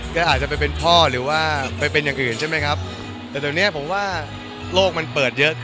ก็อาจจะไปเป็นพ่อหรือว่าไปเป็นอย่างอื่นใช่ไหมครับ